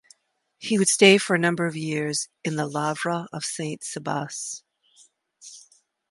He would stay for number of years in the Lavra of Saint Sabas.